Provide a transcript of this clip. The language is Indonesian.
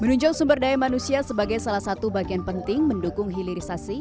menunjang sumber daya manusia sebagai salah satu bagian penting mendukung hilirisasi